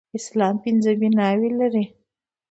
اسلام پنځه بناوې لري.